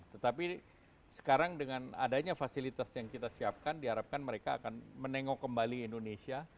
tetapi sekarang dengan adanya fasilitas yang kita siapkan diharapkan mereka akan menengok kembali indonesia